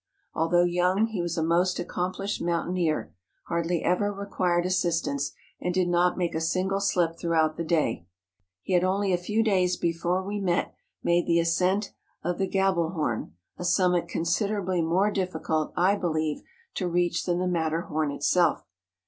Although young, he was a most accomplished mountaineer, hardly ever required assistance, and did not make a single slip throughout the day. He had only a few days before we met made the ascent of the Grabel horn,—a summit considerably more difficult, I be¬ lieve, to reach than the Matterhorn itself.